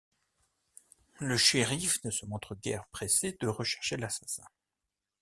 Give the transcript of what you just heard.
Le shérif ne se montre guère pressé de rechercher l'assassin.